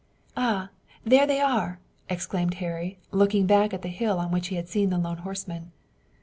"Ah, there they are!" exclaimed Harry, looking back at the hill on which he had seen the lone horseman.